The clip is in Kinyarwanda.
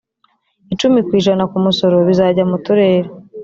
icumi ku ijana ku musoro bizajya muturere